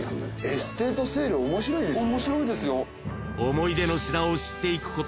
エステートセール面白いですね。